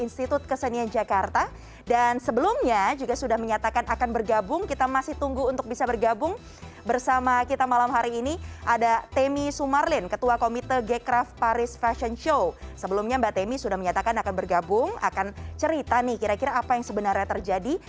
sebelumnya mbak temi sudah menyatakan akan bergabung akan cerita nih kira kira apa yang sebenarnya terjadi